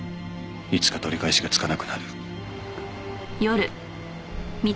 いつか取り返しがつかなくなる。